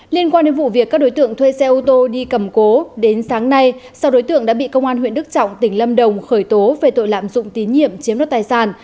liên quan đến vụ việc các đối tượng thuê xe ô tô đi cầm cố đến sáng nay sau đối tượng đã bị công an huyện đức trọng tỉnh lâm đồng khởi tố về tội lạm dụng tín nhiệm chiếm đất tài sản